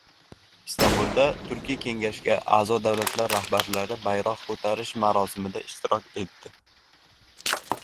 Istanbulda Turkiy kengashga a’zo davlatlar rahbarlari bayroq ko‘tarish marosimida ishtirok etdi